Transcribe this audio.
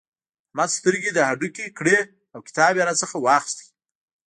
احمد سترګې د هډوکې کړې او کتاب يې راڅخه واخيست.